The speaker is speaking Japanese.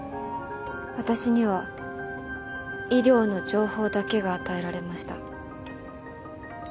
私には医療の情報だけが与えられました。